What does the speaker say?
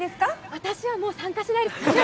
私はもう参加しないです。